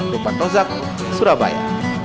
dupan rozak surabaya